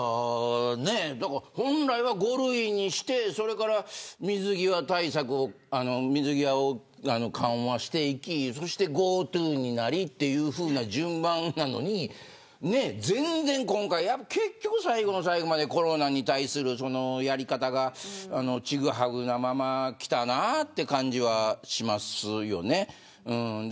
本来は５類にしてそれから水際対策を緩和していきそしてＧｏＴｏになりというふうな順番なのに結局、最後の最後までコロナに対するやり方がちぐはぐなまま、来たなって感じはしますよね。